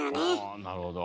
おなるほど。